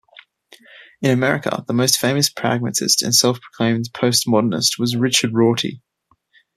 In America, the most famous pragmatist and self-proclaimed postmodernist was Richard Rorty.